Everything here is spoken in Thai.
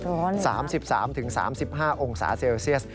ร้อนเลยครับนะครับ๓๓๓๕องศาเซลเซียส